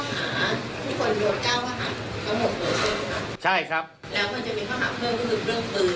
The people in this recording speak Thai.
ทุกคนโดนเจ้าข้อหาใช่ครับแล้วมันจะมีข้อหาเพื่อนก็คือเรื่องปือ